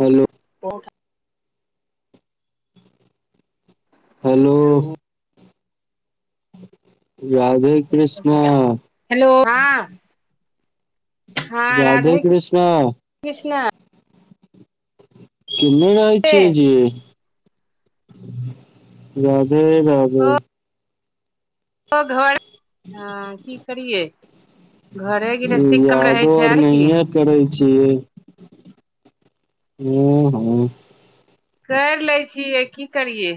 Hello. ओ [inaudible] hello. Radhe Krishna. Hello हां -हँ -हॅं राधे कृष्णा। केने छै छियै ए, जी राधे- राधे। ओ घर हँ की करियै। घरे गृहस्थी कम रहै छै आर की। कि करै छिय ओ हँ। कैर लै छियै की करियै।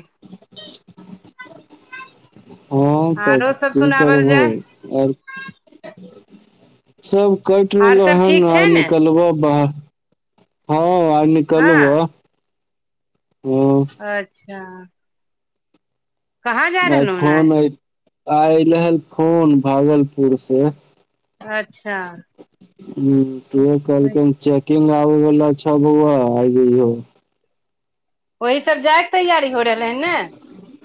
हँ तब आरो सब की सुनावल करबहो जाय ओर। सब कटि आर रहलो सब हन ठीक आ छै ने निकलबो बर हँ। कहलियौ हँ अ ह अच्छा कहाँ जा आ रहलहु हन फोन आल रहल फोन भागलपुर से। अच्छा। ओहो कोल कम चेक- कि ना आबै वला छ बौआ ओही स जायके तैयारी हो रहलै हन ने।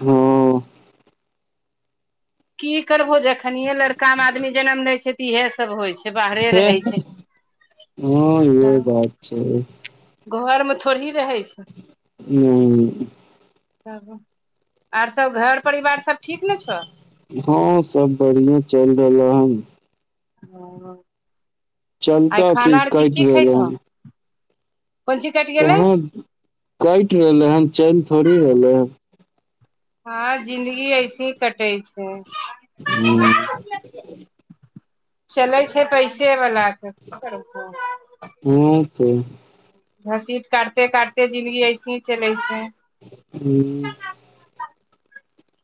हँ की करबहो जखननिये लड़का मे आदमी जनम लैछै ते इएहे सब होइ छै। बाहरे छै रहै हँ इहो बात छै। घर में थोड़ही रहै छै। हँ आर सब घर परिवार सब ठीक ने छो? हँं सब बढ़िए चलि रहल हन। ह आई चलता खाना आर की की कटि रहले खयलहो। हन कहाँ कटि रहलै हन चल थोड़ी रहलै हन। हँ जिन्दगी ऐसे ही कटे छै। हू चलै छै पैसे वलाक। हँ तऽ। घसीट काटते काटते जिनगी ऐसे ही चलै छै। हू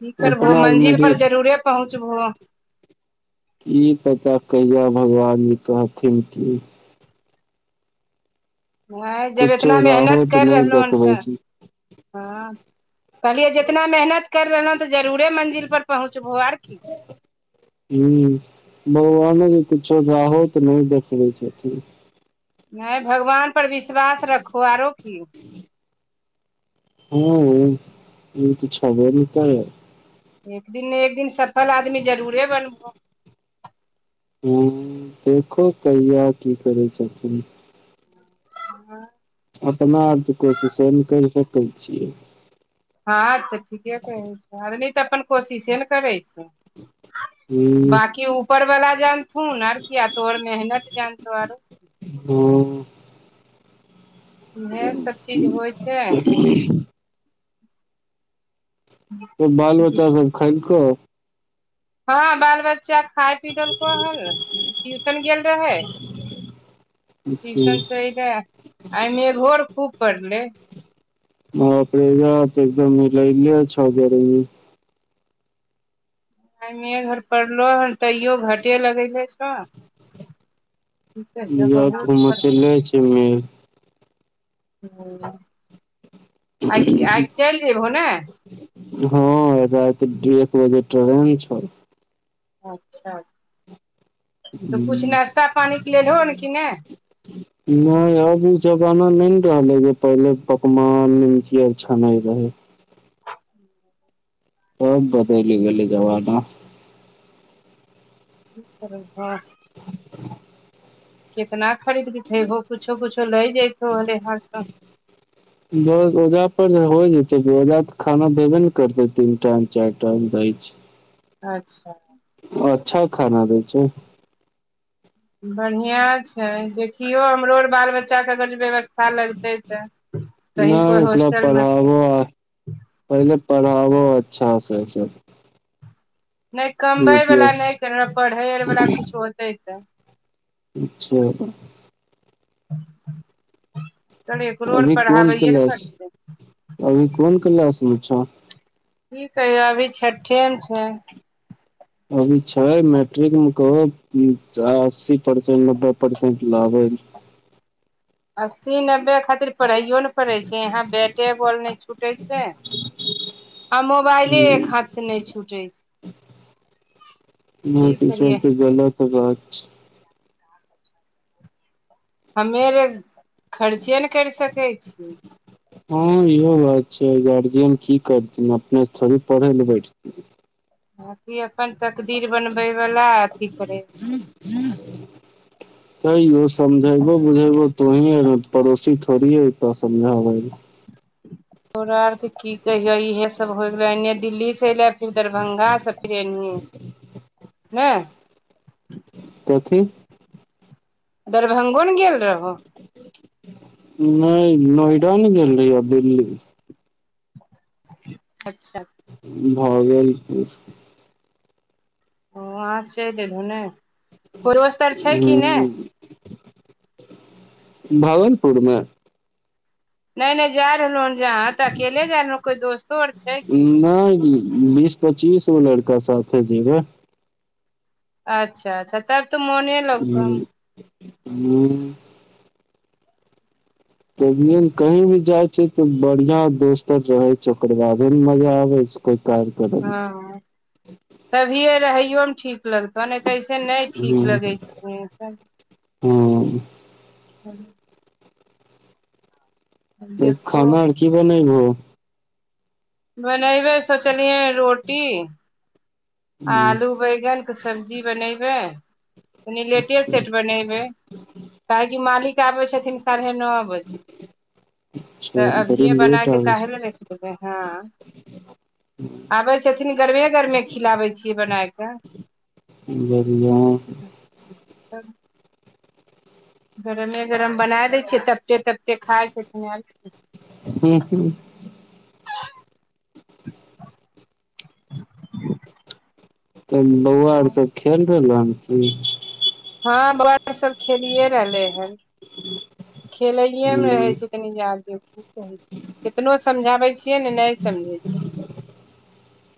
की करबहो अपना आरमे मंजिल रे पर जरूरे पहुँचबहो। ई पता कहिया भगवान जी कहथिन कि। आँ जब कुछो एतना मेहनत राहो तऽ करि नहि रहलहुँ हन देखबै तऽ। छी हँ कहलियै जितना मेहनत करि रहलहुँ। तऽ जरूरे मंजिल पर पहुँचबहो आर की जी भगवाने जे कुछो जाहो तऽ नहि देखबै छथिन। नहि भगवानपर विश्वास रखहो आरो की ह हँ ई तऽ छबे नै करै। एक दिन न एक दिन सफल आदमी जरूरे बनबोह। ह देखो कहिआ की करै छथिन। ह अपना आपके कोशिशो नै करे छैथ। कहै छीयै। ह त ठीके कहै छै आरनी तऽ अपन कोशिशे ने करै छै। हूँ बाकी ऊपर वाला जानथुन आर किया तोर मेहनत जानतौ आर हँ इएह सब चीज होइ छै। त बाल बच्चा सब खेलको? हँ बाल बच्चा खाय पीक पड़ला ट्यूशन गेल रहए। छी ट्यूशन स अहबे आइ निघोर खूब पढ़लई। हँ अपे य त एकदम लै लिय छजरमे। [unintelligible] घर पड़लो हन तैयो घाटे लगैत छै छ [unintelligible] [unintelligible] हूं आइ कि आइ चलि जयभो ने हँ राति डेएक बजे ट्रेन छल। अच्छा त कुछ नाश्ता पानीके लेलहो हन कि नहि नहि अब उ जमाना नहि ने रहलै जे, पहिले पकवान निमकी आर छानय रहे। [inaudible] अब बदैल गेलय जबाना। कि कर भऽ [inaudible] कितना खरीदके खैबहो, कुछो-कुछो लै जइतो अलैहार सऽ। बस ओजा पर जे होइ जेतै, ओजा तऽ खाना देबे ने करतै, तीन टाइम, चारि टाइम दयछै। अच्छा। अच्छा खाना दै छै। बढ़ियां छै देखियौ हमरो ओर बाल बच्चाके अगर जे व्यवस्था लगतै त, कहीं नहि कोइ ओकरा होस्टल मे त पढ़ाबो पहिले पढ़ाबो अच्छा से सब नहि कमबै यू पी बला एस नहि करह, पढ़ै अर वाला कछु होतै तऽ अच्छा पढा़ तनि एकरोअर अभी कोन पढ़ाबैयए ने क्लास परतै। अभी कोन क्लासमे छ? की कहियऽ अभी छठे मे छै। अभी छै मैट्रिक मे कहो अस्सी परसेंट नब्बे परसेंट लाबै ल। अस्सी, नब्बे खातिर पढ़ैयो ने पड़ै छै, यहाँ बैटे बॉल नहि छुटै छै आ मोबाइले एक हाथ से नहि छूटै छै। की बहुत ही करियै सब [unintelligible] [unintelligible] हमे लग खर्चे न करि सकै छियै। हँ इहो बात छियै, गार्जियन की करथिन अपने स चली पढ़ेेलै बैठ तु बांकी अपन तकदीर बनबैवला अथी करे तैयो समझैबो बुझैबो तोही अर ह पड़ोसी थोड़ी अइतऽ समझाबै ल। तोरा आर के की कहियऽ इहे सब होय गेले, एने दिल्ली से ऐले फिर दरभंगा सँ फिर एनहि ने तथी। दरभंगो ने गेल रहो। नहि नोएडा ने गेल रहिय आ दिल्ली अच्छा। भऽ गेल कुछ ओ वहाँ से चलि एयलहो ने, कोइ दोस्तअर छै कि नहि। भागलपुरमे नहि- नहि जाय रहलो हन जहां, तऽ अकेले जा रहलों, कोई दोस्तो अओर छै की नहि बी बीस पच्चीस गो लड़का साथे जेबय। अच्छा अच्छा तब तऽ मोने लगतौ ह ह [inaudible] तभिये न कही भी जाइ बढ़िया दोस्त आर रहै छै ओकर बादे ने मजा आबे छै ओकर। हँ तभियए रहइयो में ठीक लगतनि नै तऽ ऐसे नै ठीक लगै छै। हूँ। हूँ। देखो खाना आर की बनैबहो? बनइबे सोचलियैए रोटी हम्म, आलू बैगन के सब्जी बनैबै। कनि लेटे अच्छा सेट बनैबै काहेकि मालिक आबै छथिन साढ़े नओ बजे अच्छा तऽ बड़ी अभीये लेट बनाके आबै काहे छै ल रखबै हँ आबै छथिन गरमे गरमे खिलाबै छियै बनाय के। ल [unintelligible] तब। गरमे गरम बनाय दै छियै तपते - तपते खाइ छथिन येएल। हूं हूं। तब बौआ आर सब खेल रहलो हन की? हँ बउवा आर सब खेलिये रहलै हन खेलइये मे रहै हूँ छै। नी जा दियौ की कहै छै केतनो समझाबै छियै ने नहि समझै छै।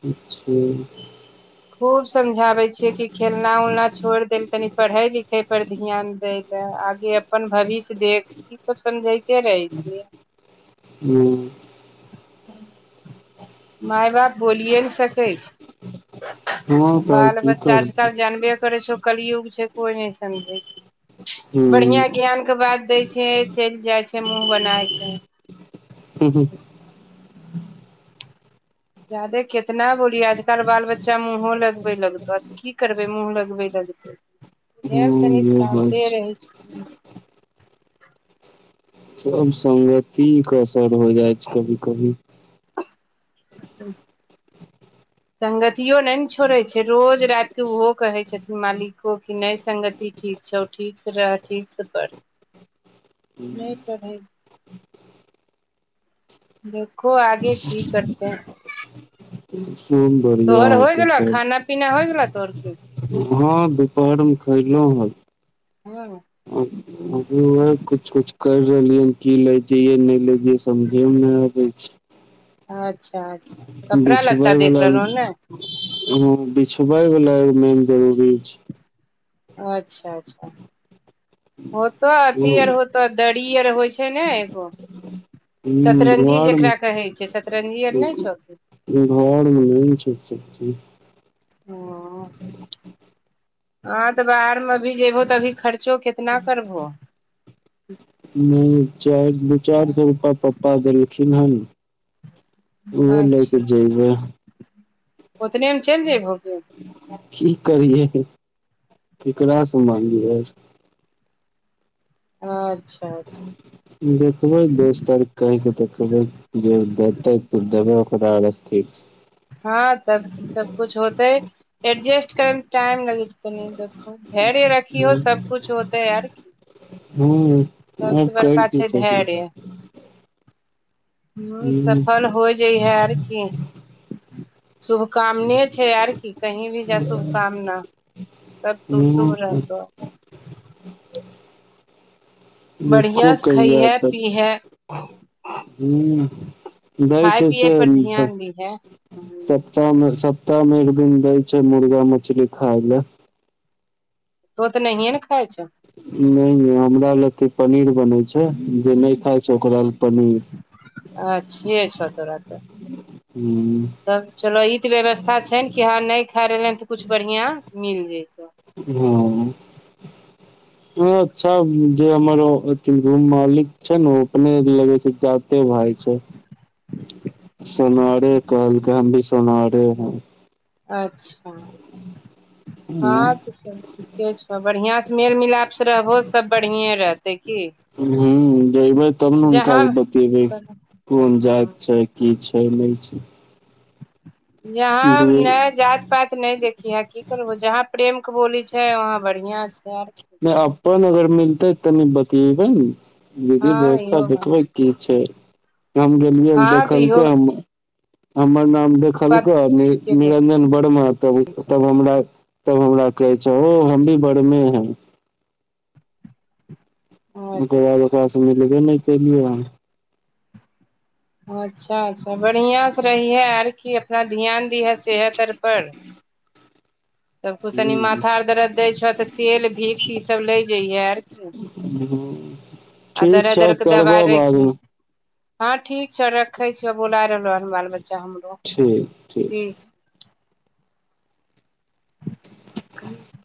अच्छा। खूब समझाबै छियै कि खेलना - उलना छोड़ि देल तनि पढ़ै लिखै पर ध्यान दै ले आगे अपन भविष्य देख ई सब समझै ठीके रहै छियै। हूँ माय बाप बोलिये ने सकै छ। हँ तऽ आर बाल की बच्चा करतै आजकल जानबे करै छौ कल युग छै कोई नहि समझै छै हूँ बढ़ियां ज्ञान के बात दै छै चलि जाइ छै मुँह बनाय के। हूॅं हूँ। जादे केितना बोलियै आजकल बाल बच्चा मुँहो लगबै लगतौ। की करबै मुँह लगबै लगतै उहे ले तनि इहो बात शान्ते छै रहै छी। सब संगति के असर हो जाइ छै कभी- कभी। ह संगतियो नै ने छोड़ै छै रोज राति के ओहो कहै छथिन मालिको की नै संगति ठीक छौ ठीक से रह ठीक से पढ़ नय पढ़य छै। देखू आगे की करतेै। ह [inaudible] बढ़ियां तोहर होइ अहाँके गेलौ सब। खाना पीना होइ गेलौ तोहर की हँ दुपहर मे खयलौं हें। हँ। अच्छा अभी वेएह कुछ - कुछ करि रहलियै हें की ले जइयै नै ले जइयै समझे मे ने आबै छै। अच्छा - अच्छा कपड़ा लत्ता देख रहलौं हन ने। हूॅं बिछबइ बला एगो मेन जरूरी अछ। अच्छा अच्छा होतो हूँ अथी आर होतो दरी आर होइ छै ने एगो हूँ सतरंजी घर जकरा मे कहै छै सतरंजी आर नहि छौ घरमे नहि छै सब चिज हँ तऽ बाहरमे अभी जेबहो तऽ अभी खर्चो कितना करबहो? मे चार दू चार सौ रूपा पापा देलखिन हन ओहो लऽ कऽ जेबै। ओतने हम चैल जेबहो तु? की करियै? हम केकरासँ मंगियै? अच्छा अच्छा देखबै दस तारिख कहिके देखबै? जे देतै तऽ देबै, ओकरा [unintelligible] आवाज ठीक हँ तब सबकुछ होतै एडजेस्ट करैमे टाइम लगे छै कनि धैर्य रखीयौ सब कुछ होतेै यार कि? हूँ आब सभसँ करि बड़का की छै सकै छी धैर्य। ह्म्म हूँ सफल हो जइ है आर की? शुभकामने छै आर की? कहीं भी जाय शुभकामना। सब शुभ शुभ हूँ रहतौ। [inaudible] देखो बढ़िआँ से खैहै पीहै। ह्म्म दैय खाय छै पियए से पर सब सब ध्यान दीहे तू सप्ताह में सप्ताहमे एक दिन दै छै मुर्गा मछली खाइ ला। तुहो तऽ नहिे ने खाइ छो? नहि नहि हमरा ले तैय पनीर बनै छै जे नहि खाय छै ओकरा ल पनीर अच्छे छो तोरा त। ह्म्म तब चलो ई ते व्यवस्था छै, ने कि ह नहि खा रहलियै हन तऽ कुछ बढ़िया मिल जइतो। हँ [inaudible] हां अच्छा, जे हमर रूम मालिक छै, ने ओ अपने लगे छै जाते भाय छै। [inaudible] सुनारे कहलकै हम भी सुनारे हैं। अच्छा हँं तऽ सब ठीके छो, बढ़िआं से मेल मिलाप से रहबहो सब बढ़िए रहतै की? ह जबै तब ने हुनका जहाँ बतेबै कोन जाइत हँ छै? की छै, नहि छै? यहाँ नहि जात पाइत नहि देखिहै की करबो जहाँ प्रेम के बोली छै, वहाँ बढ़िया छै। नहि अपन अगर मिलतै तनि बतियैबै ने, विधि हँ व्यवस्था इहो बात देखबै। की छै? हम गेलियै हन हँ तऽ इहो देखलकै हम हमर नाम देख बात कहलको नीर ठीके कहै निरंजन वर्मा तब छै तब हमरा तब हमरा कहे छै, ओ हम भी बरमे हैं। ओकर बाद अच्छा ओकरास से मिलगे नहि कलियए वह अच्छा अच्छा बढ़िआँ से रहिहे आर की? अपना ध्यान दिहे सेहत आरप पर। सब कुछ तनि माथा और दरद दै छौ तऽ तेल भिक्स ई सब लेै जैहे आर। हूँ आ ठीक दरद छऽ आर के करबऽ दबाइ बाद राखिहे मे। हँ ठीक छौ रखे छियौ बोला रहलो हँ बाल बच्चा हमरो। ठीक ठीक कहियो